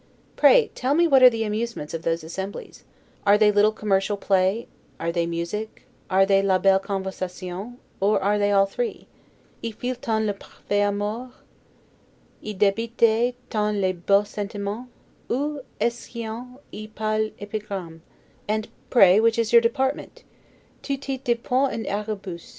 Pray tell me what are the amusements of those assemblies? Are they little commercial play, are they music, are they 'la belle conversation', or are they all three? 'Y file t on le parfait amour? Y debite t on les beaux sentimens? Ou est ce yu'on y parle Epigramme? And pray which is your department? 'Tutis depone in auribus'.